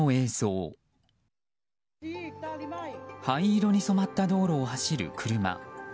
灰色に染まった道路を走る車。